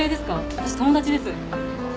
私友達です。